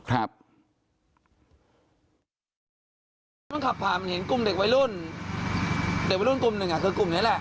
รถมันขับผ่านมันเห็นกลุ่มเด็กวัยรุ่นเด็กวัยรุ่นกลุ่มหนึ่งคือกลุ่มนี้แหละ